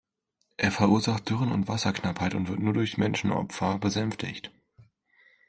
Er verursacht Dürren und Wasserknappheit und wird nur durch Menschenopfer besänftigt.